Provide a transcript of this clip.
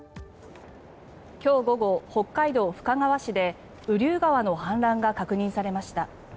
今日午後、北海道深川市で雨竜川の氾濫が確認されました。